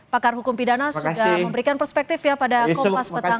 pakar hukum pidana sudah memberikan perspektif ya pada kompas petang